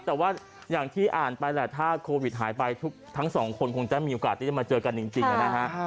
แต่ว่าอย่างที่อ่านไปแหละถ้าโควิดหายไปทั้งสองคนคงจะมีโอกาสที่จะมาเจอกันจริงนะฮะ